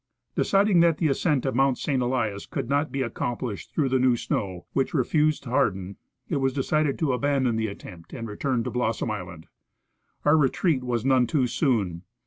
Deciding that the ascent of Mount St. Elias could not be ac complished through the new snoAV, Avhich refused to harden, it was decided to abandon the attempt and return to Blossom island. Our retreat was none too soon.